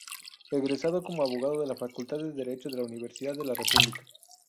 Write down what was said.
Egresado como abogado de la Facultad de Derecho de la Universidad de la República.